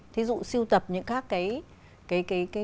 thí dụ siêu tập những các cái